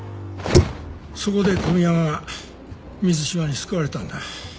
そこで小宮山は水島に救われたんだ。